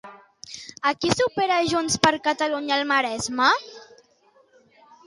A qui supera Junts per Catalunya al Maresme?